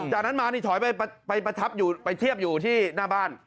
จากนั้นมานี่ถ่อยเราไปเทียบอยู่ที่หน้าบ้าน